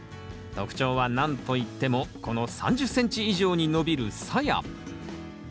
特徴はなんといってもこの３０ｃｍ以上に伸びるさや。